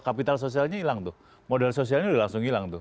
kapital sosialnya hilang tuh modal sosialnya udah langsung hilang tuh